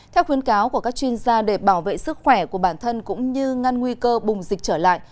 theo khuyến cáo của các chuyên gia để bảo vệ sức khỏe của bản thân cũng như ngăn nguy cơ bùng dịch trở lại